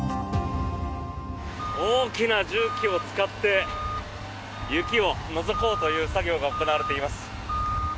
大きな重機を使って雪を除こうという作業が行われています。